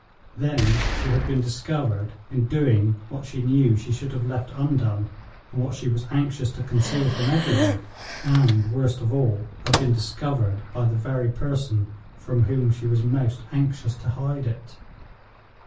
Then she had been discovered in doing what she knew she should have left undone, and what she was anxious to conceal from every one; and, worst of all, had been discovered by the very person from whom she was most anxious to hide it.